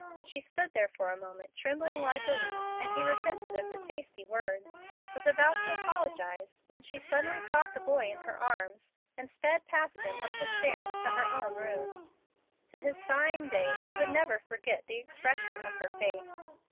She stood there for a moment, trembling like a leaf, and he, repenting of his hasty words, was about to apologize, when she suddenly caught the boy in her arms, and sped past him up the stairs to her own room. To his dying day he would never forget the expression of her face.